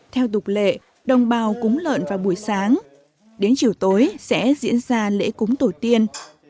theo tục lệ đồng bào cúng lợn vào buổi sáng đến chiều tối sẽ diễn ra lễ cúng tổ tiên